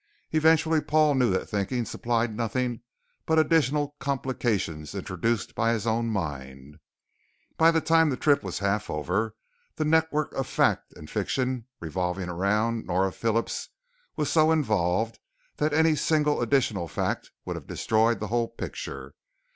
Eventually Paul knew that thinking supplied nothing but additional complications introduced by his own mind. By the time the trip was half over, the network of fact and fiction revolving around Nora Phillips was so involved that any single additional fact would have destroyed the whole picture.